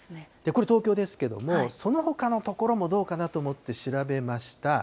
これ、東京ですけども、そのほかの所もどうかなと思って調べました。